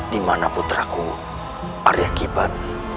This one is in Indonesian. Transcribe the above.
di mana putraku arya gibran